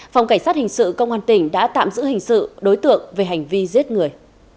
phòng cảnh sát hình sự công an tỉnh đã tạm giữ hình sự đối tượng về hành vi giết người